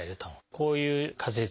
こういう仮説。